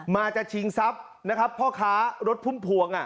จะชิงทรัพย์นะครับพ่อค้ารถพุ่มพวง